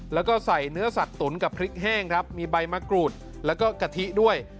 แล้วก็ใส่เนื้อสัตว์ตุ๋นกับพริกแห้งครับมีใบมะกรูดแล้วก็กะทิด้วย